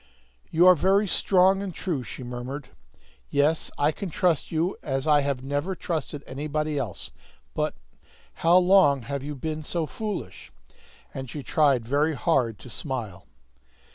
"You are very strong and true," she murmured. "Yes, I can trust you as I have never trusted anybody else! But how long have you been so foolish?" And she tried very hard to smile.